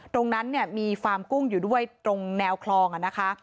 ตรงนั้นเนี่ยมีฟาร์มกุ้งอยู่ด้วยตรงแนวคลองนะคะ